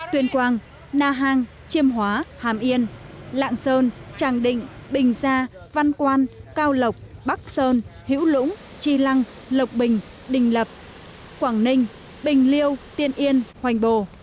tuyên quang na hàng chiêm hóa hàm yên lạng sơn tràng định bình gia văn quan cao lộc bắc sơn hữu lũng chi lăng lộc bình đình lập quảng ninh bình liêu tiên yên hoành bồ